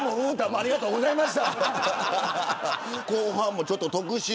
ありがとうございます。